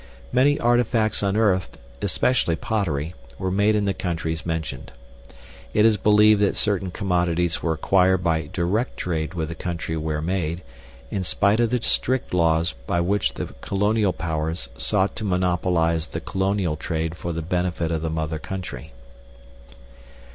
Many artifacts unearthed (especially pottery) were made in the countries mentioned. It is believed that certain commodities were acquired by direct trade with the country where made, in spite of the strict laws by which the Colonial Powers sought to monopolize the colonial trade for the benefit of the mother country.